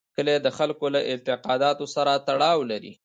کلي د خلکو له اعتقاداتو سره تړاو لري.